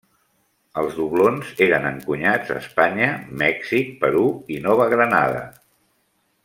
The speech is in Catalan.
Els doblons eren encunyats a Espanya, Mèxic, Perú i Nova Granada.